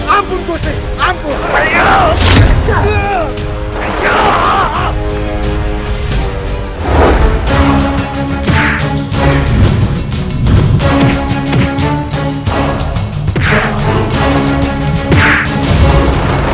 ampun gusti ampun